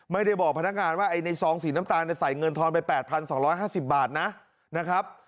ไม่ได้บอกพนักงานว่าในซองสีน้ำตาลใส่เงินทอนไป๘๒๕๐บาทนะครับ